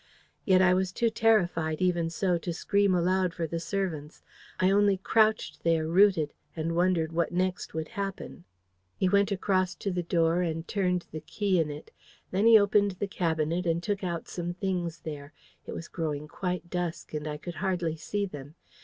"Yet I was too terrified, even so, to scream aloud for the servants. I only crouched there, rooted, and wondered what next would happen. "He went across to the door and turned the key in it. Then he opened the cabinet and took out some things there. It was growing quite dusk, and I could hardly see them.